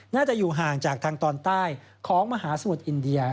น่าจะอยู่ห่างจากทางตอนใต้ของมหาสมุทรอินเดีย